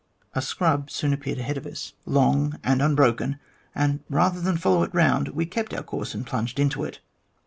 A scrub soon appeared ahead of us, long and unbroken, and rather than follow it round, we kept our course and plunged into it.